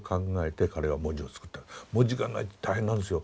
文字がないって大変なんですよ。